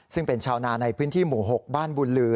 ซึ่งเป็นชาวนาในพื้นที่หมู่๖บ้านบุญลือ